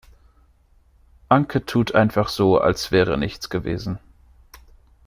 Anke tut einfach so, als wäre nichts gewesen.